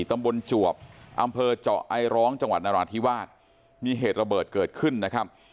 ตำรวจจวบอำเภอเจาะไอร้องจังหวัดนราธิวาสมีเหตุระเบิดเกิดขึ้นนะครับ